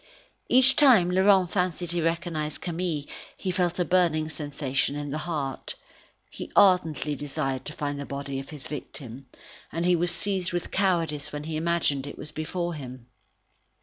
Each time Laurent fancied he recognised Camille, he felt a burning sensation in the heart. He ardently desired to find the body of his victim, and he was seized with cowardice when he imagined it before him.